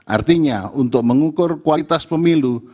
artinya untuk mengukur kualitas pemilu